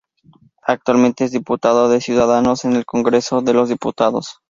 Actualmente, es diputado de Ciudadanos en el Congreso de los Diputados.